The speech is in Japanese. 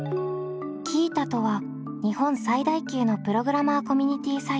Ｑｉｉｔａとは日本最大級のプログラマーコミュニティサイト。